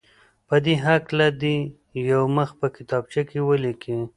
په دې هکله دې یو مخ په کتابچه کې ولیکي.